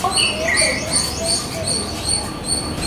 Todos los fines de semana el general Bardales se trasladaba a Tacna.